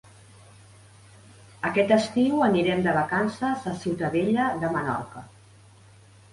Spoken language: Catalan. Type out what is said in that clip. Aquest estiu anirem de vacances a Ciutadella de Menorca.